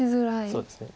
そうですね。